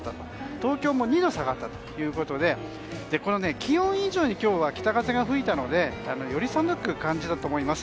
東京も２度下がったということで気温以上に今日は北風が吹いたのでより寒く感じたと思います。